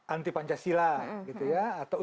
anti pancasila gitu ya